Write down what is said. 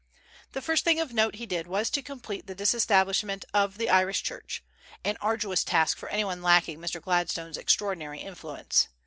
The first thing of note he did was to complete the disestablishment of the Irish Church, an arduous task to any one lacking Mr. Gladstone's extraordinary influence.